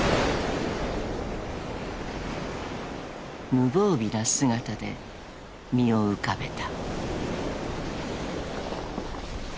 ［無防備な姿で身を浮かべた］